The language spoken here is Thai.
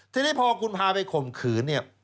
ทีนี้พอคุณพาไปข่มขืน